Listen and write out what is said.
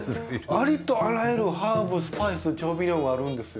ありとあらゆるハーブスパイス調味料があるんですよ。